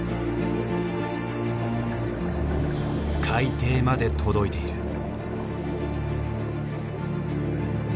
海底まで届いている。